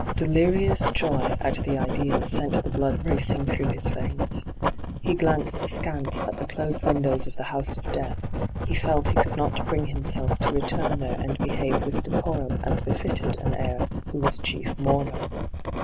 Delirious joy at the idea sent the blood racing through his veins. He glanced askance at the closed windows of the house of death ; he felt he could not bring himself to return there and behave with decorum as befitted an heir who was chief mourner.